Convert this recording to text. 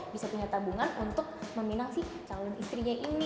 bisa punya tabungan untuk meminang si calon istrinya ini